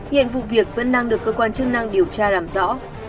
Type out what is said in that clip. hiện vụ việc vẫn đang được cơ quan chức năng điều tra làm rõ